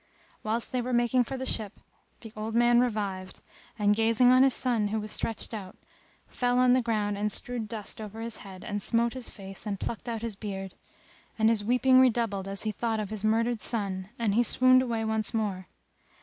Whilst they were making for the ship the old man revived; and, gazing on his son who was stretched out, fell on the ground and strewed dust over his head and smote his face and plucked out his beard; and his weeping redoubled as he thought of his murdered son and he swooned away once more.